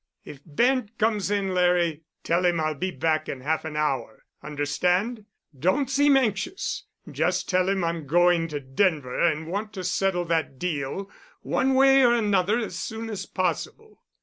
"If Bent comes in, Larry, tell him I'll be back in half an hour. Understand? Don't seem anxious. Just tell him I'm going to Denver and want to settle that deal one way or another as soon as possible."